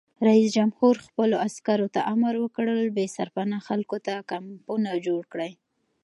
رئیس جمهور خپلو عسکرو ته امر وکړ؛ بې سرپناه خلکو ته کمپونه جوړ کړئ!